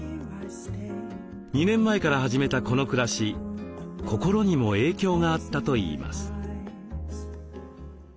２年前から始めたこの暮らし心にも影響があったといいます。